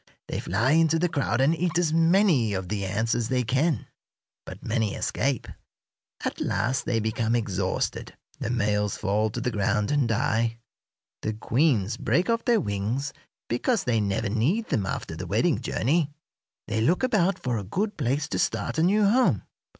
They fly into the crowd and eat as many of the ants as they can. But many escape. At last they become exhausted. The males fall to the ground and die. The queens break off their wings, because they never need them after the wedding journey. "They look about for a good place to start a new home.